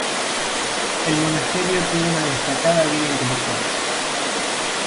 El monasterio tuvo una destacada vida intelectual.